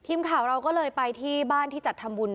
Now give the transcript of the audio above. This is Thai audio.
ทีมข่าวเราก็เลยไปที่บ้านที่จัดทำบุญ